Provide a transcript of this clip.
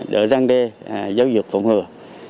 để răng đê giáo dục phòng hừa